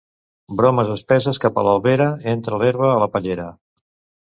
Bromes espesses cap a l'Albera, entra l'herba a la pallera.